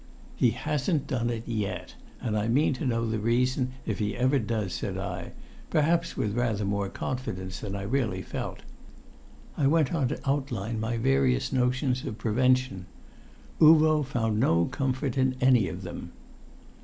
"He hasn't done it yet, and I mean to know the reason if he ever does," said I, perhaps with rather more confidence than I really felt. I went on to outline my various notions of prevention. Uvo found no comfort in any of them.